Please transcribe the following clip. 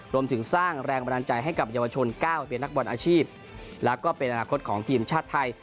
รวมถึงสร้างแรงบันดาลใจให้กับเยาวชนก้าวเป็นนักบอลอาชีพแล้วก็เป็นอนาคตของทีมชาติไทย